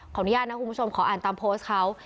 อนุญาตนะคุณผู้ชมขออ่านตามโพสต์เขา